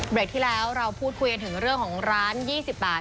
ที่แล้วเราพูดคุยกันถึงเรื่องของร้าน๒๐บาท